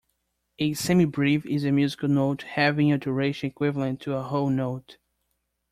A semibrieve is a musical note having a duration equivalent to a whole note